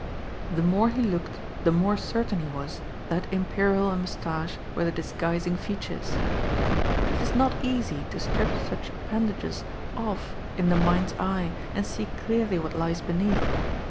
The more he looked the more certain he was that imperial and moustache were the disguising features. But it is not easy to strip such appendages off in the mind's eye and see clearly what lies beneath.